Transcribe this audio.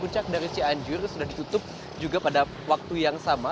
lalu jalan ke jawa barat dari cianjur sudah ditutup juga pada waktu yang sama